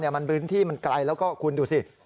มันพื้นที่มันไกลแล้วก็คุณดูสิ